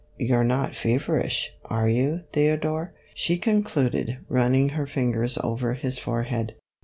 You 're not feverish, are you, Theodore ?" she concluded, running her fingers over his forehead.